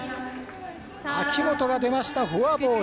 秋元が出ました、フォアボール。